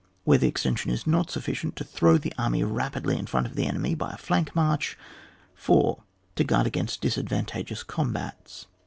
Where the extension is not sufficient, to throw the army rapidly in firont of the enemy by a flank march. 4. To guard against disadvantageous combats.